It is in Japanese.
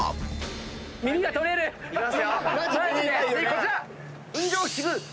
次こちら！